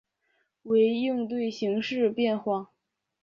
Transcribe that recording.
为应对形势变化